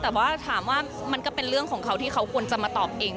แต่ว่าถามว่ามันก็เป็นเรื่องของเขาที่เขาควรจะมาตอบเอง